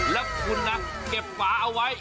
แล้วคุณนะเก็บฝาเอาไว้